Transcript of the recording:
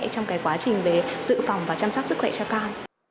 trong quá trình giữ phòng và chăm sóc sức khỏe cho con